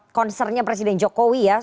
oke itu concern nya presiden jokowi ya